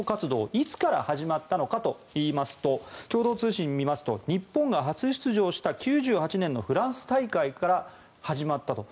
いつから始まったかというと共同通信を見ますと日本が初出場した９８年のフランス大会から始まったと。